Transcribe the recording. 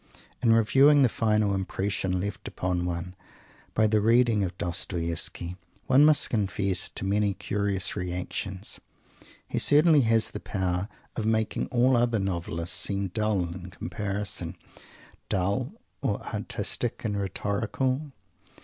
In reviewing the final impression left upon one by the reading of Dostoievsky one must confess to many curious reactions. He certainly has the power of making all other novelists seem dull in comparison; dull or artistic and rhetorical.